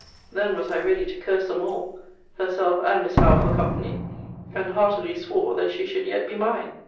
Then was I ready to curse them all, herself and Miss Howe for company: and heartily swore that she should yet be mine.